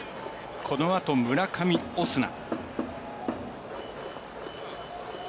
このあと村上、オスナ。